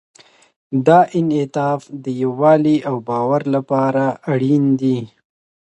دا انعطاف د یووالي او باور لپاره اړین دی.